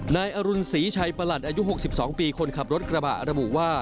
นายอรุณศรีชัยประหลัดอายุ๖๒ปีคนขับรถกระบะระบุว่า